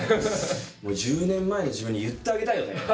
もう１０年前の自分に言ってあげたいよね。